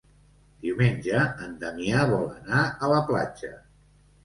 Diumenge en Damià vol anar a la platja.